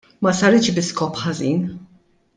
Ma saritx bi skop ħażin.